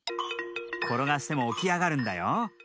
ころがしてもおきあがるんだよ。